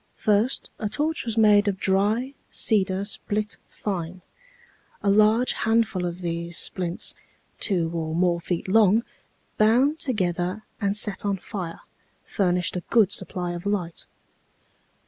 First, a torch was made of dry cedar split fine. A large handful of these splints, two or more feet long, bound together and set on fire, furnished a good supply of light.